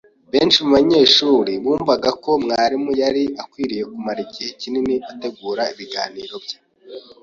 Benshi mubanyeshuri bumvaga ko mwarimu yari akwiye kumara igihe kinini ategura ibiganiro bye